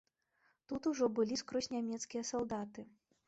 Тут ужо былі скрозь нямецкія салдаты.